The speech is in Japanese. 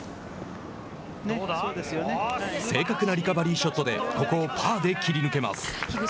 正確なリカバリーショットでここをパーで切り抜けます。